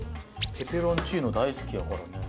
ペペロンチーノ大好きやからね。